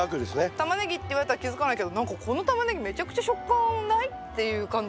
タマネギって言われたら気付かないけど「何かこのタマネギめちゃくちゃ食感ない？」っていう感じ。